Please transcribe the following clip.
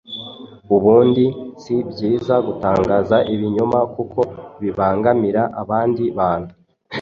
Ubundi si byiza gutangaza ibinyoma kuko bibangamira abandi bantu.